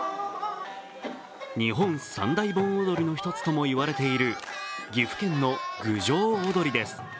日本三大盆踊りの一つともいわれている岐阜県の郡上おどりです。